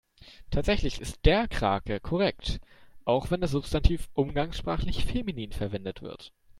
Tatsächlich ist der Krake korrekt, auch wenn das Substantiv umgangssprachlich feminin verwendet wird.